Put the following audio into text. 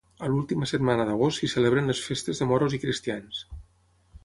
A l'última setmana d'agost s'hi celebren les Festes de Moros i Cristians.